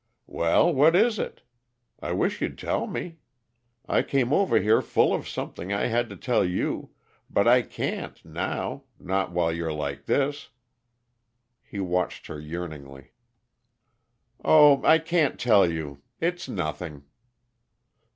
"Well, what is it? I wish you'd tell me. I came over here full of something I had to tell you but I can't, now; not while you're like this." He watched her yearningly. "Oh, I can't tell you. It's nothing."